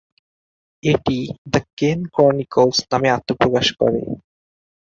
এটি "the Kane Chronicles" নামে আত্মপ্রকাশ করে।